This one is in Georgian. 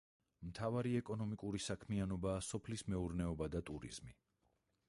მთავარი ეკონომიკური საქმიანობაა სოფლის მეურნეობა და ტურიზმი.